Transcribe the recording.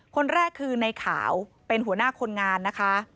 คนแรกคือในขาวเป็นหัวหน้าคนงานนะคะ